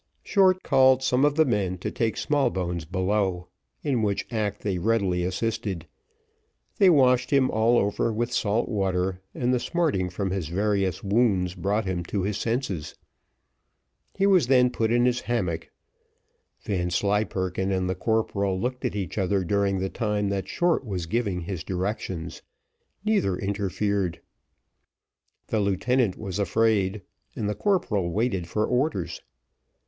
Short called some of the men to take Smallbones below, in which act they readily assisted; they washed him all over with salt water, and the smarting from his various wounds brought him to his senses. He was then put in his hammock. Vanslyperken and the corporal looked at each other during the time that Short was giving his directions neither interfered. The lieutenant was afraid, and the corporal waited for orders.